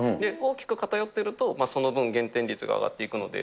大きく偏ってるとその分減点率が上がっていくので。